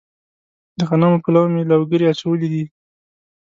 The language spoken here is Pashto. د غنمو په لو مې لوګري اچولي دي.